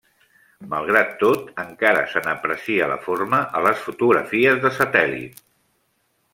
Malgrat tot, encara se n'aprecia la forma a les fotografies de satèl·lit.